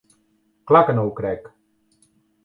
Clar que no ho crec!